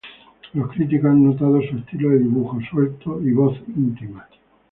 Los críticos han notado su estilo de dibujo suelto y voz íntima.